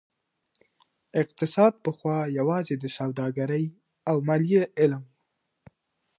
اقتصاد پخوا يوازي د سوداګرۍ او ماليې علم و.